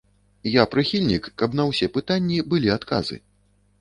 Я прыхільнік, каб на ўсе пытанні былі адказы.